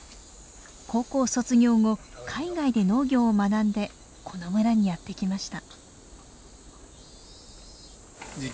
高校卒業後海外で農業を学んでこの村にやって来ました。